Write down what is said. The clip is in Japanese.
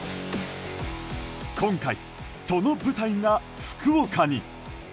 今回、その舞台が福岡に。